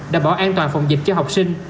đảm bảo an toàn phòng dịch cho học sinh